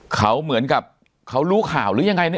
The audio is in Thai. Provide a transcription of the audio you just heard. เขาเหมือนกับเขารู้ข่าวหรือยังไงเนี่ย